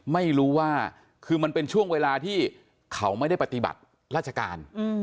ไม่รู้ว่าคือมันเป็นช่วงเวลาที่เขาไม่ได้ปฏิบัติราชการ